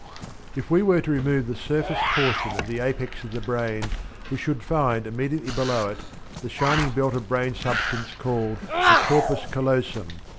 If we were to remove the surface portion of the apex of the brain we should find immediately below it the shining belt of brain substance called the "corpus callosum."